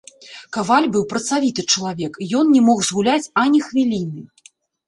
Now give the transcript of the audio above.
Каваль быў працавіты чалавек, ён не мог згуляць ані хвіліны.